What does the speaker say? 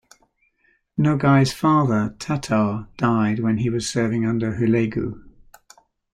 Nogai's father Tatar died when he was serving under Hulegu.